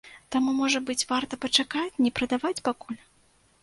Таму, можа быць, варта пачакаць, не прадаваць пакуль.